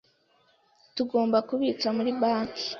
Tugomba kubitsa muri banki.